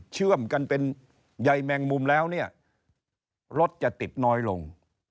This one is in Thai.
เชื่อมกันเป็นใยแมงมุมแล้วเนี่ยรถจะติดน้อยลง